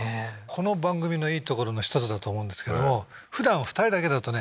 この番組のいいところの一つだと思うんですけどふだんは２人だけだとね